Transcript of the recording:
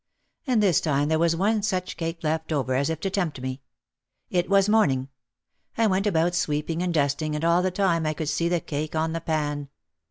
And this time there was one such cake left over as if to tempt me. It was morn ing. I went about sweeping and dusting and all the time I could see the cake on the pan.